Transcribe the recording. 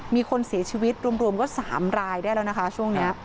มีคนเสียชีวิตรวมก็๓รายได้แล้วนะคะช่วงนี้